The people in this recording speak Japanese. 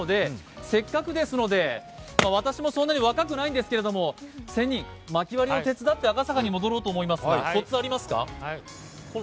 せっかくですので私もそんなに若くないですけれども仙人、まき割りを手伝って赤坂に戻ろうと思いますが、コツはありますか？